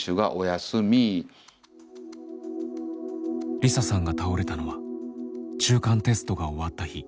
梨沙さんが倒れたのは中間テストが終わった日。